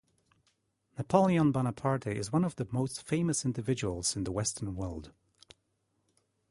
Napoleon Bonaparte is one of the most famous individuals in the Western world.